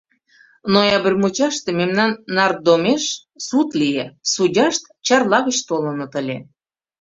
Ноябрь мучаште мемнан нардомеш суд лие — судьяшт Чарла гыч толыныт ыле.